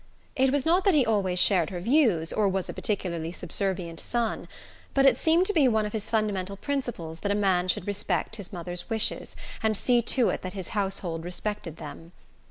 It was not that he always shared her views, or was a particularly subservient son; but it seemed to be one of his fundamental principles that a man should respect his mother's wishes, and see to it that his household respected them.